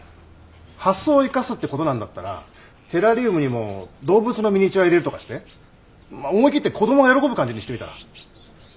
発想を生かすってことなんだったらテラリウムにも動物のミニチュア入れるとかして思い切って子どもが喜ぶ感じにしてみたら？